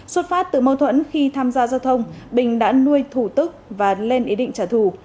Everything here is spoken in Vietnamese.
xuất phát từ mâu thuẫn khi tham gia giao thông bình đã nuôi thủ tức và lên ý định trả thù